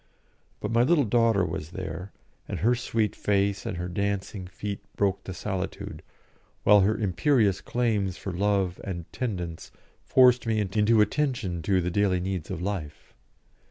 But my little daughter was there, and her sweet face and dancing feet broke the solitude, while her imperious claims for love and tendance forced me into attention to the daily needs of life.